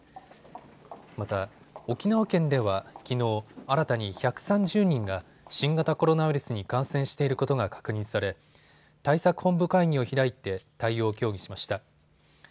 また、沖縄県ではきのう、新たに１３０人が新型コロナウイルスに感染していることが確認され対策本部会議を開いて対応を協議しました。